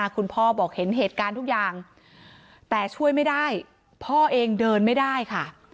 คุณพ่อบอกเห็นเหตุการณ์ทุกอย่างแต่ช่วยไม่ได้พ่อเองเดินไม่ได้ค่ะ